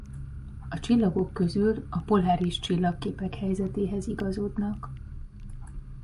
A csillagok közül a poláris csillagképek helyzetéhez igazodnak.